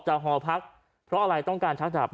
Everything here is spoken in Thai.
หอพักเพราะอะไรต้องการชักดาบ